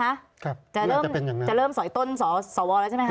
ครับน่าจะเป็นอย่างนั้นครับจะเริ่มสอยต้นสวแล้วใช่ไหมคะ